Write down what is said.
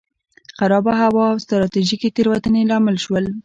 خرابه هوا او ستراتیژیکې تېروتنې لامل شول.